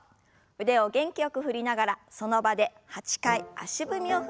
腕を元気よく振りながらその場で８回足踏みを踏みます。